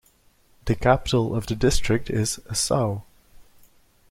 The capital of the district is Asau.